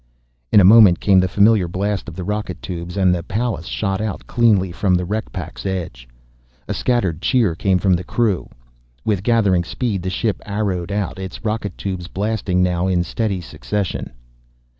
In a moment came the familiar blast of the rocket tubes, and the Pallas shot out cleanly from the wreck pack's edge. A scattered cheer came from the crew. With gathering speed the ship arrowed out, its rocket tubes blasting now in steady succession.